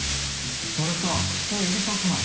それと人を指さすな！